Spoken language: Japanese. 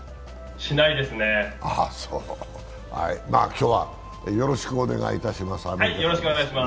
今日はよろしくお願いいたします。